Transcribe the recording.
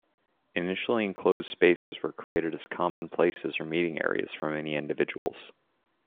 Initially enclosed spaces were created as common places or meeting areas for many individuals.